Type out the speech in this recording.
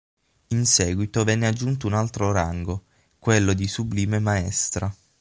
In seguito venne aggiunto un altro rango, quello di "sublime maestra".